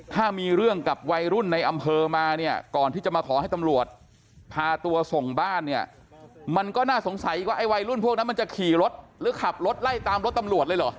ถ้ามีเรื่องกับวัยรุ่นในอำเภอมาเนี่ยก่อนที่จะมาขอให้ตำรวจพาตัวส่งบ้านเนี่ยมันก็น่าสงสัยว่าไอ้วัยรุ่นพวกนั้นมันจะขี่รถหรือขับรถไล่ตามรถตำรวจเลยเหรอ